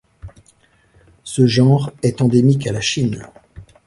Ce genre est endémique à la Chine.